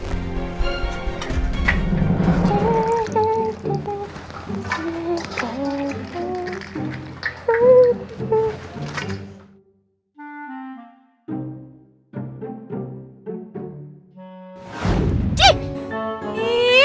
sampai jumpa di kantor polisi